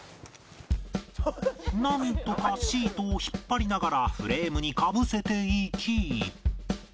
なんとかシートを引っ張りながらフレームにかぶせていき